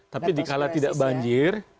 tapi dikala tidak banjir